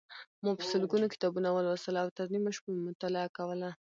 ما په سلګونو کتابونه ولوستل او تر نیمو شپو مې مطالعه کوله.